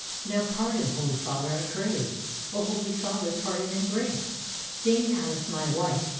"" Now pardon, Holy Father, I crave. Holy Father, pardon and grace! Dame Alice, my wife.